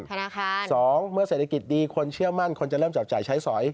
๒เมื่อเศรษฐกิจดีคนเชื่อมั่นคนจะเริ่มจับจ่ายใช้สอย